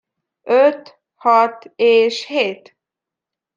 Öt, hat és hét.